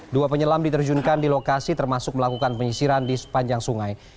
dua penyelam diterjunkan di lokasi termasuk melakukan penyisiran di sepanjang sungai